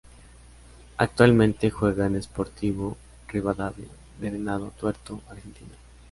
Actualmente juega en Sportivo Rivadavia de Venado Tuerto, Argentina.